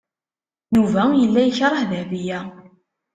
Yuba yella yekreh Dahbiya.